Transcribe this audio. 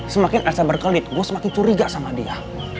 semakin elsa berkelit gua semakin curiga sama dia